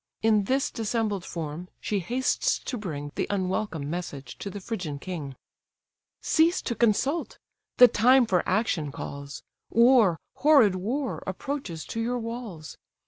In this dissembled form, she hastes to bring The unwelcome message to the Phrygian king. "Cease to consult, the time for action calls; War, horrid war, approaches to your walls!